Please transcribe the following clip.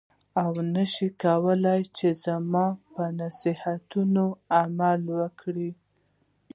او نه شې کولای چې زما په نصیحتونو عمل وکړې.